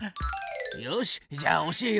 よしじゃあ教えよう。